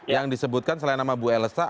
yang disebutkan selain nama bu elsa